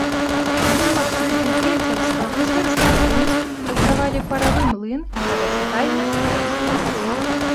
Быў адкрыты фельчарска-акушэрскі пункт, працавалі паравы млын, хата-чытальня, пошта.